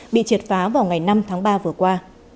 bị triệt phá vào ngày năm tháng ba vừa qua